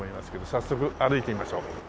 早速歩いてみましょう。